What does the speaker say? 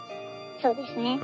そうですね。